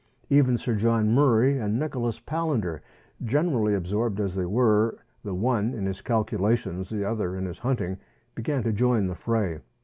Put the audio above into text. Even Sir John Murray and Nicholas Palander (generally absorbed as they were, the one in his calculations^ the other in his hunting), began to join the fray.